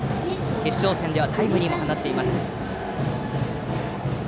決勝戦ではタイムリーを放っています。